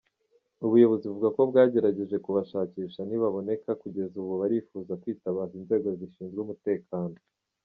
Ubuyobozi buvuga ko bwagerageje kubashakisha ntibaboneka, kugeza ubu barifuza kwitabaza inzego zishinzwe umutekano.